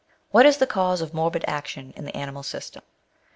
What is the cause of morbid action in the animal system